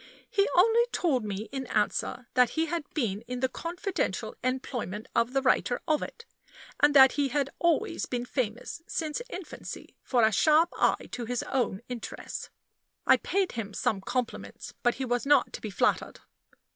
He only told me in answer that he had been in the confidential employment of the writer of it, and that he had always been famous since infancy for a sharp eye to his own interests. I paid him some compliments; but he was not to be flattered.